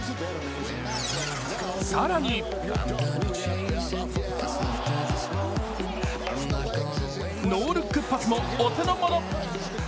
更に、ノールックパスもお手の物。